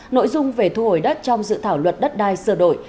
nội dung về thu hồi đất trong dự thảo luật đất đai sửa đổi